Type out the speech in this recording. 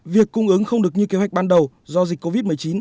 việc cung ứng không được như kế hoạch ban đầu do dịch covid một mươi chín